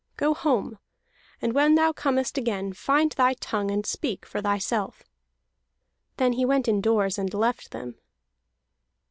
Go home; and when thou comest again, find thy tongue and speak for thyself!" Then he went indoors and left them.